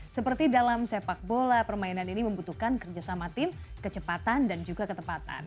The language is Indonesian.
seperti dalam sepak bola permainan ini membutuhkan kerjasama tim kecepatan dan juga ketepatan